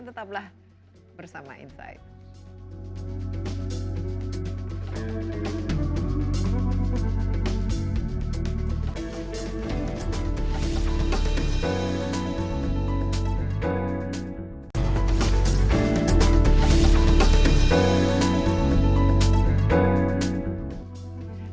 tetaplah bersama insight